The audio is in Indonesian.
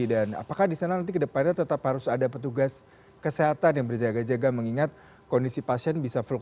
dan apakah disana nanti ke depannya tetap harus ada petugas kesehatan yang berjaga jaga mengingat kondisi pasien bisa berjalan